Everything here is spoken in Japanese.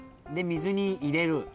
で水に入れる。